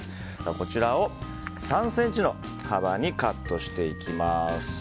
こちらを３ｃｍの幅にカットしていきます。